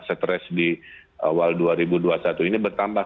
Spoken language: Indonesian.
stres di awal dua ribu dua puluh satu ini bertambah